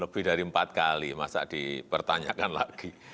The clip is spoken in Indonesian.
lebih dari empat kali masa dipertanyakan lagi